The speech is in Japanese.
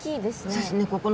そうですね。